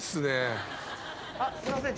すいません。